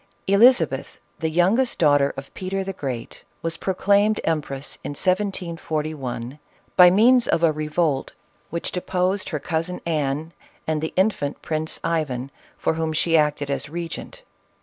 Elizabeth, the youngest daughter of Peter the Great, was proclaimed empress in 1741, by means of a revolt which deposed her cousin Anne and the infant Prince Ivan, for whom she acted as regent.